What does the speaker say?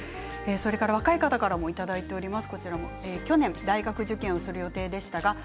若い方からもいただいています。